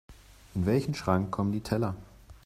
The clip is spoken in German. In welchen Schrank kommen die Teller?